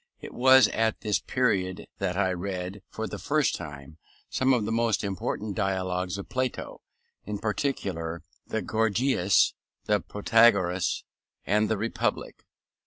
It was at this period that I read, for the first time, some of the most important dialogues of Plato, in particular the Gorgias, the Protagoras, and the Republic.